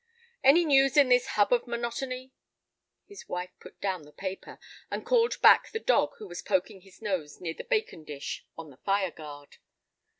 "Any news in this hub of monotony?" His wife put down the paper, and called back the dog who was poking his nose near the bacon dish on the fire guard.